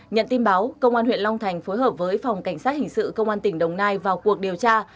nhận tin báo công an huyện long thành phối hợp với phòng cảnh sát hình sự công an tỉnh đồng nai vào cuộc điều tra